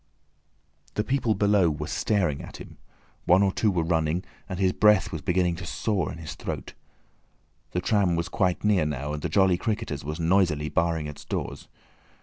The people below were staring at him, one or two were running, and his breath was beginning to saw in his throat. The tram was quite near now, and the "Jolly Cricketers" was noisily barring its doors.